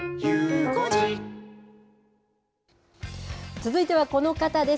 続いてはこの方です。